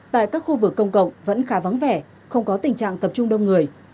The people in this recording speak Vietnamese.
tại các khu vực công cộng vẫn khá vắng vẻ không có tình trạng tập trung đông người